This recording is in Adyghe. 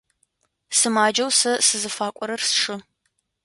Сымаджэу сэ сызыфакӏорэр сшы.